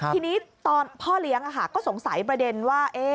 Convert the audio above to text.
ทีนี้ตอนพ่อเลี้ยงก็สงสัยประเด็นว่า